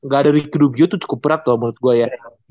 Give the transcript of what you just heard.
gak ada rikidobio itu cukup berat loh menurut gue ya